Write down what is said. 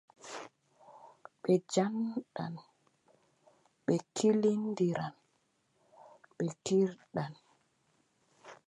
Ɓe njaldan, ɓe ngillindiran, ɓe kiirdan.